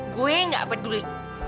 gue gak peduli